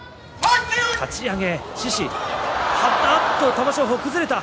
玉正鳳、崩れた。